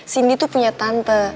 cindy itu punya tante